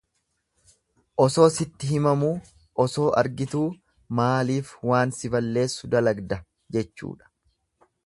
Osoo sitti himamuu, osoo argituu maaliif waan si balleessu dalagda jechuudha.